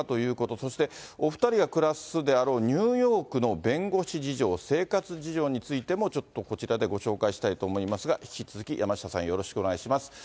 そしてお２人が暮らすであろうニューヨークの弁護士事情、生活事情についてもちょっとこちらでご紹介したいと思いますが、引き続き山下さん、よろしくお願いします。